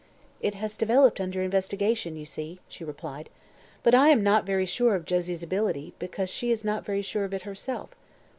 "It has developed under investigation, you see," she replied. "But I am not very sure of Josie's ability, because she is not very sure of it herself.